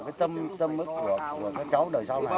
cái tâm ức của các cháu đời sau này